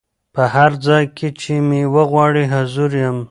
په هر ځای کي چي مي وغواړی حضور یم